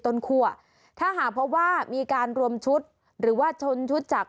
คั่วถ้าหากพบว่ามีการรวมชุดหรือว่าชนชุดจาก